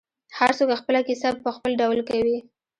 هر څوک خپله کیسه په خپل ډول کوي.